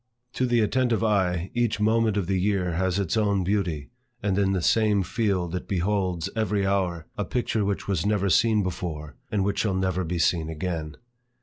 To the attentive eye, each moment of the year has its own beauty, and in the same field, it beholds, every hour, a picture which was never seen before, and which shall never be seen again.